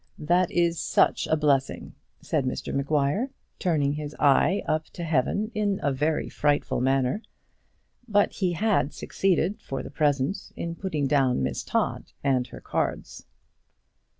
"That is such a blessing!" said Mr Maguire, turning his eyes up to Heaven in a very frightful manner. But he had succeeded for the present in putting down Miss Todd and her cards.